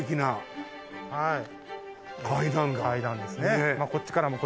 階段ですね。